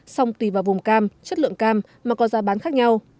xong tùy vào vùng cam chất lượng cam mà có giá bán khác nhau